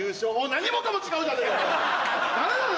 何もかも違うじゃねえかこれ誰なの？